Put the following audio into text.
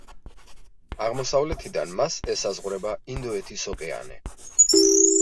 აღმოსავლეთიდან მას ესაზღვრება ინდოეთის ოკეანე.